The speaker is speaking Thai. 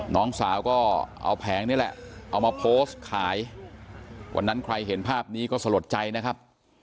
น้องสาวก็เอาแผงนี่แหละเอามาโพสต์ขายวันนั้นใครเห็นภาพนี้ก็สลดใจนะครับ